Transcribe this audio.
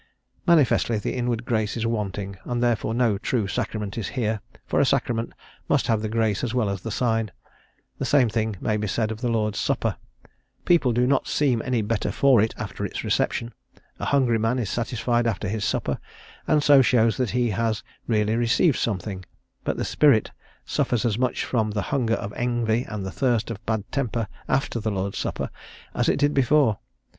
Manifestly the inward grace is wanting, and therefore no true sacrament is here, for a sacrament must have the grace as well as the sign, The same thing may be said of the Lord's Supper; people do not seem any the better for it after its reception; a hungry man is satisfied after his supper, and so shows that he has really received something, but the spirit suffers as much from the hunger of envy and the thirst of bad temper after the Lord's Supper as it did before.